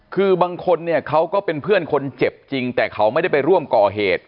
คือบางคนเนี่ยเขาก็เป็นเพื่อนคนเจ็บจริงแต่เขาไม่ได้ไปร่วมก่อเหตุ